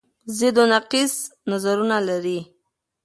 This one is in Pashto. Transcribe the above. ضد و نقیص نظرونه لري